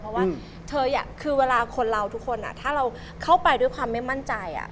เพราะว่าเธอคือเวลาคนเราทุกคนถ้าเราเข้าไปด้วยความไม่มั่นใจ